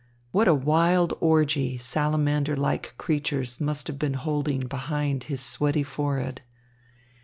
What a wild orgy salamander like creatures must have been holding behind his sweaty forehead.